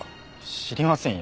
知りませんよ。